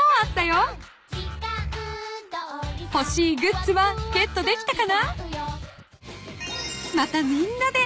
［ほしいグッズはゲットできたかな］